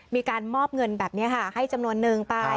มีการมอบเงินแบบนี้ค่ะให้จำนวนนึงไป